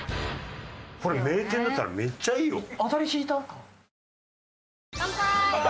これ名店だったらめっちゃいいよ。